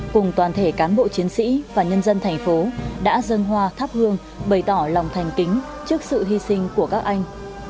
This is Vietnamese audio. cùng toàn thể cán bộ chiến sĩ và nhân dân thành phố đã dân hoa thắp hương bày tỏ lòng thành kính trước sự hy sinh của các anh